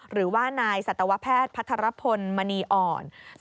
หรือว่านายสัตวแพทย์พัทรพลมณีอ่อน